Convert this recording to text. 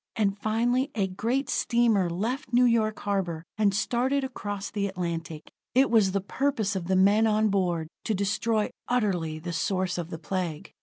And finally, a great steamer left New York harbor, and started across the Atlantic. It was the purpose of the men on board to destroy utterly the source of the Plague.